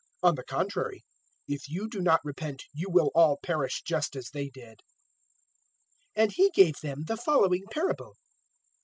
On the contrary, if you do not repent you will all perish just as they did." 013:006 And He gave them the following parable.